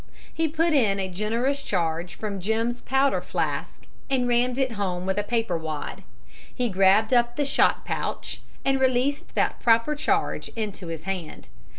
He put in a generous charge from Jim's powder flask and rammed it home with a paper wad. He grabbed up the shot pouch and released the proper charge into his hand.